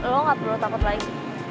lo gak perlu takut lagi